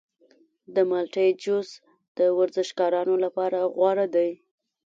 د مالټې جوس د ورزشکارانو لپاره غوره دی.